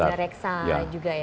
dana reksa juga ya pak ya